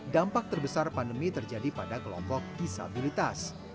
dampak terbesar pandemi terjadi pada kelompok disabilitas